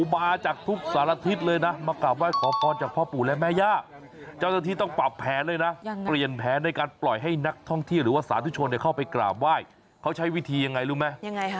มาจากทุกสารทิศเลยนะมากราบไหว้ขอพรจากพ่อปู่และแม่ย่าเจ้าหน้าที่ต้องปรับแผนเลยนะเปลี่ยนแผนในการปล่อยให้นักท่องเที่ยวหรือว่าสาธุชนเข้าไปกราบไหว้เขาใช้วิธียังไงรู้ไหม